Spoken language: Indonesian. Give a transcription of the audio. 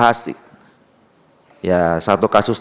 karena ini sudah dikonsumsi